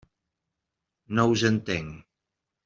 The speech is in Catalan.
No us entenc.